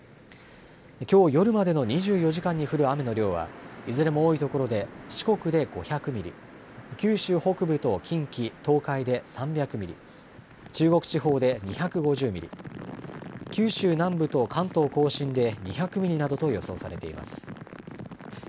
きょう夜までの２４時間に降る雨の量は、いずれも多い所で、四国で５００ミリ、九州北部と近畿、東海で３００ミリ、中国地方で２５０ミリ、九州南部と関東甲信で２００ミリなどと予想されています。